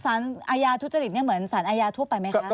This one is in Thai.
สารอาญาทุจริตเหมือนสารอาญาทั่วไปไหมคะ